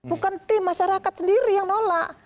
bukan tim masyarakat sendiri yang nolak